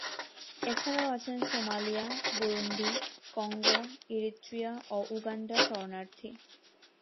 এছাড়াও আছেন Somalia, Burundi, Congo, Eritrea ও উগান্ডার শরণার্থী।